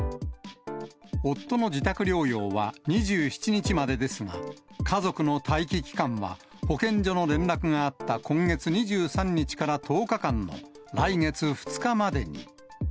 夫の自宅療養は２７日までですが、家族の待機期間は、保健所の連絡があった今月２３日から１０日間の、来月２日までに。